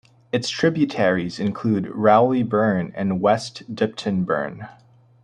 Its tributaries include Rowley Burn and West Dipton Burn.